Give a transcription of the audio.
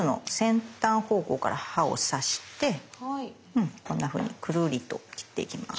うんこんなふうにくるりと切っていきます。